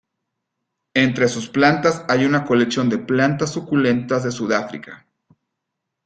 Entre sus plantas hay una colección de plantas suculentas de Sudáfrica.